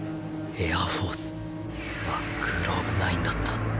エアフォースはグローブ無いんだった。